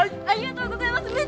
ありがとうございます。